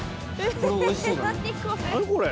え何これ。